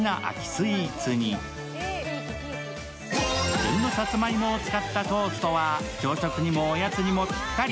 旬のさつまいもを使ったトーストは朝食にもおやつにもぴったり。